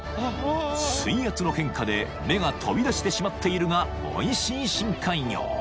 ［水圧の変化で目が飛び出してしまっているがおいしい深海魚］